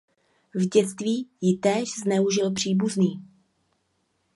V dětství ji též zneužil příbuzný.